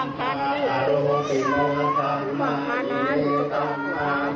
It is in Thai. นี่เหรอครับ